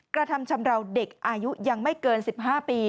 กระทำชำราวเด็กอายุยังไม่เกิน๑๕ปี